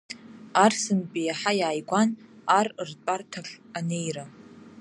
Арсынтәи иаҳа иааигәан ар ртәарҭахь анеира.